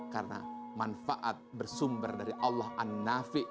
karena manfaat bersumber dari allah an nafi